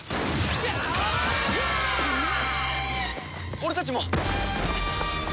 俺たちも！